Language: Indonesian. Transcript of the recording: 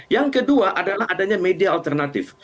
yang kedua adalah adanya media alternatif